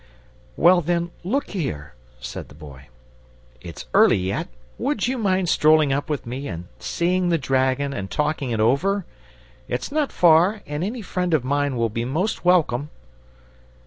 "Well, then, look here," said the Boy, "it's early yet would you mind strolling up with me and seeing the dragon and talking it over? It's not far, and any friend of mine will be most welcome."